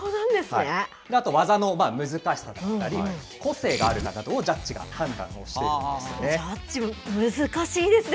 あと技の難しさだったり、個性があるかどうかをジャッジが判断していくんですね。